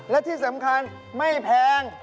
และที่สำคัญไม่แพง